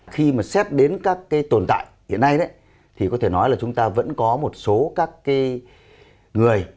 khi mà xét đến các cái tồn tại hiện nay thì có thể nói là chúng ta vẫn có một số các cái người